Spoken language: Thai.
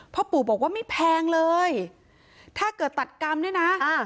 พ่อปู่บอกว่าไม่แพงเลยถ้าเกิดตัดกรรมเนี่ยนะอ่า